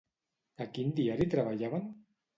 A quin diari treballaven?